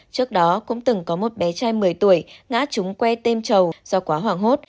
trước đó cũng từng có một bé trai một mươi tuổi ngã trúng que têm trầu do quá hoảng hốt